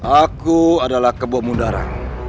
aku adalah kebom mundarang